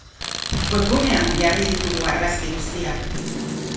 Webgunean, jarri ditugu argazki guztiak.